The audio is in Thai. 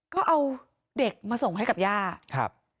ก็เอาเด็กมาส่งให้กับย่าครับ